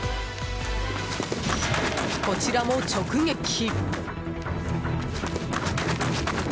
こちらも直撃。